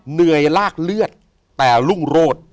เหนื่อยลากเลือดแต่รุ่งโรธ